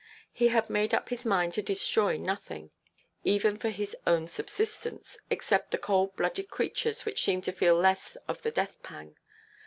He had made up his mind to destroy nothing, even for his own subsistence, except the cold–blooded creatures which seem to feel less of the death–pang.